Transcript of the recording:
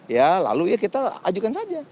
ya lalu ya kita ajukan saja